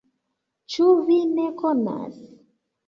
Ĉu vi ne konas?